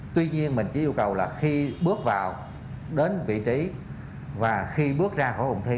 tuy nhiên mình chỉ yêu cầu là khi bước vào đến vị trí và khi bước ra khỏi vùng thi